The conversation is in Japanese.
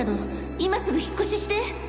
今すぐ引っ越しして！